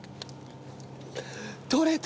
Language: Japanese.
取れた！